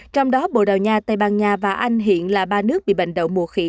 trong đó bồ đào nha tây ban nha và anh hiện là ba nước bị bệnh đậu mùa khỉ